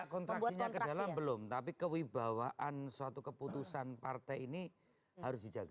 dan kontraksinya ke dalam belum tapi kewibawaan suatu keputusan partai ini harus dijaga